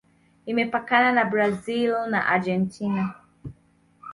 Imepakana na Brazil na Argentina.